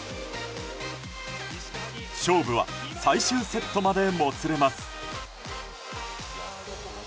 勝負は最終セットまでもつれます。